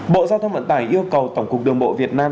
bộ giao thông vận tải yêu cầu tổng cục đường bộ việt nam